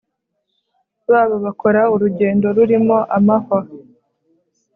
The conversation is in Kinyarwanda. babo bakora urugendo rurimo amahwa